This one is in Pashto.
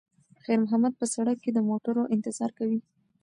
خیر محمد په سړک کې د موټرو انتظار کوي.